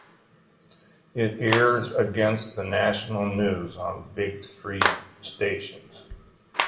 It airs against the national news on the big three stations.